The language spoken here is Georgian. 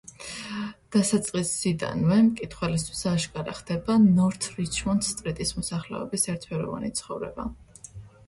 დასაწყისიდანვე მკითხველისთვის აშკარა ხდება ნორთ რიჩმონდ სტრიტის მოსახლეობის ერთფეროვანი ცხოვრება.